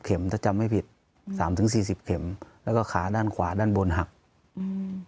ถ้าจำไม่ผิดสามถึงสี่สิบเข็มแล้วก็ขาด้านขวาด้านบนหักอืม